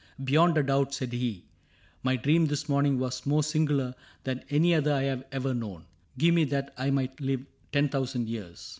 " Beyond a doubt," said he, " My dream this morning was more singular Than any other I have ever known. Give me that I might live ten thousand years.